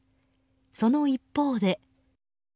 その一方で。